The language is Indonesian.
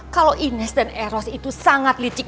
kalau ines dan eros itu sangat licik